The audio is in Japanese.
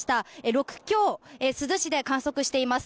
６強を珠洲市で観測しています。